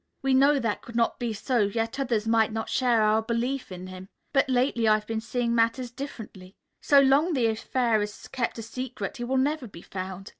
We know that could not be so, yet others might not share our belief in him. But lately I've been seeing matters differently. So long as the affair is kept a secret, he will never be found.